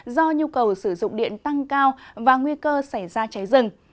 do nhu cầu sử dụng điện tăng cao và nguy cơ xảy ra cháy rừng